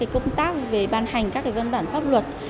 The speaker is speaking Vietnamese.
công tác về ban hành các văn bản pháp luật